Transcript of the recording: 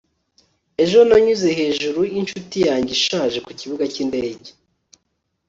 ejo nanyuze hejuru yinshuti yanjye ishaje kukibuga cyindege